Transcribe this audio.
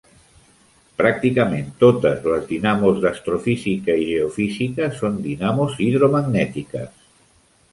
Pràcticament totes les dinamos d'astrofísica i geofísica són dinamos hidromagnètiques.